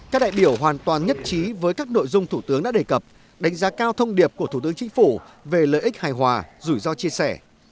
các đại biểu hoàn toàn nhất trí với các nội dung thủ tướng đã đề cập đánh giá cao thông điệp của thủ tướng chính phủ về lợi ích hài hòa rủi ro chia sẻ